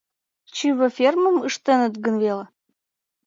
Чыве фермым ыштеныт гын веле...